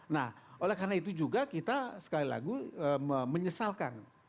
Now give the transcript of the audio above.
nah oleh karena itu juga kita sekali lagi menyesalkan